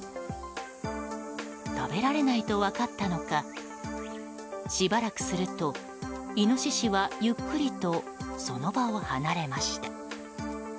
食べられないと分かったのかしばらくするとイノシシはゆっくりとその場を離れました。